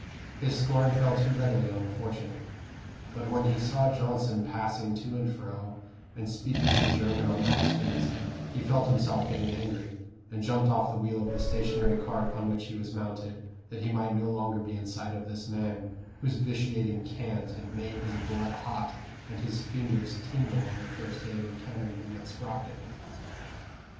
His scorn fell too readily on the fortunate. But when he saw Johnson passing to and fro, and speaking to Jermyn on the hustings, he felt himself getting angry, and jumped off the wheel of the stationary cart on which he was mounted, that he might no longer be in sight of this man, whose vitiating cant had made his blood hot and his fingers tingle on the first day of encountering him at Sproxton.